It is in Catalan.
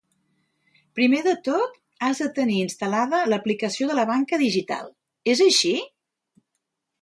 Primer de tot has de tenir instal·lada l'aplicació de la banca digital, és així?